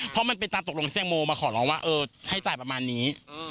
เพราะมันเป็นตามตกลงที่แตงโมมาขอร้องว่าเออให้จ่ายประมาณนี้